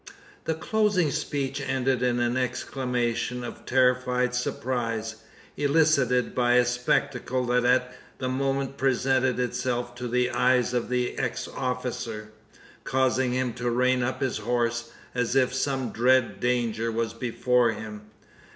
The closing speech ended in an exclamation of terrified surprise elicited by a spectacle that at the moment presented itself to the eyes of the ex officer causing him to rein up his horse, as if some dread danger was before him.